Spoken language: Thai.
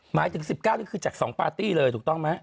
หมายถึง๑๙นี่คือจาก๒ปาร์ตี้เลยถูกต้องไหม